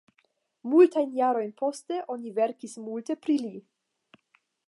Multajn jarojn poste oni verkis multe pri li.